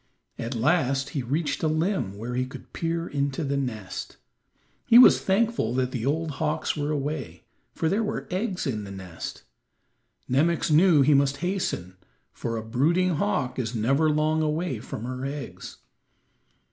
At last he reached a limb where he could peer into the nest. He was thankful that the old hawks were away, for there were eggs in the nest. Nemox knew he must hasten, for a brooding hawk is never long away from her eggs.